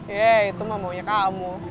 yey itu mah maunya kamu